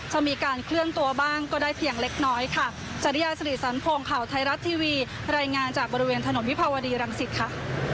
จะมีการเคลื่อนตัวบ้างก็ได้เพียงเล็กน้อยค่ะจริยาศรีสันพงศ์ข่าวไทยรัฐทีวีรายงานจากบริเวณถนนวิภาวดีรังสิตค่ะ